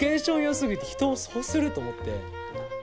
すぎて人をそうすると思って。